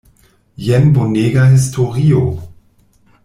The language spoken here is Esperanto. Jen bonega historio!